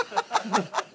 ハハハハ！